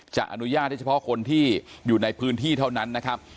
อนุญาตได้เฉพาะคนที่อยู่ในพื้นที่เท่านั้นนะครับ